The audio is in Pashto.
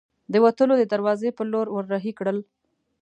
د وتلو د دراوزې په لور ور هۍ کړل.